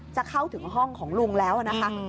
จะเข้าถึงห้องของลุงแล้วนะคะ